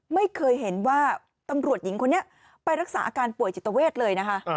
ไม่เคยเห็นว่าตำรวจหญิงคนนี้ไปรักษาอาการป่วยจิตเวทเลยนะคะ